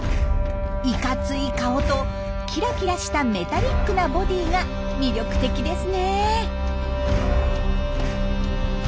いかつい顔とキラキラしたメタリックなボディーが魅力的ですね。